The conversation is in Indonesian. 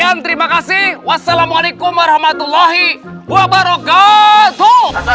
ada adalah adalah maksudnya begitu